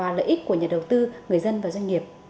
và lợi ích của nhà đầu tư người dân và doanh nghiệp